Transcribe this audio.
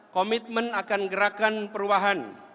komitmen akan gerakan perwahan